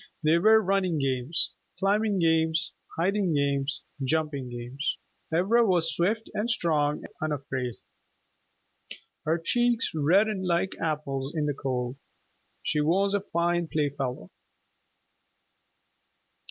They were running games, climbing games, hiding games, jumping games. Ivra was swift and strong and unafraid. Her cheeks reddened like apples in the cold. She was a fine playfellow.